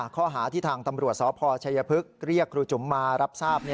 ข้อหาที่ทางตำรวจสพชัยพฤกษ์เรียกครูจุ๋มมารับทราบ